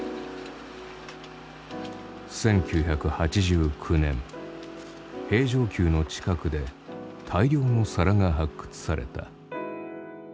１９８９年平城宮の近くで大量の皿が発掘された。